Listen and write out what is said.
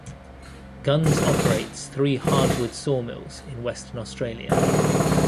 Gunns operates three hardwood sawmills in Western Australia.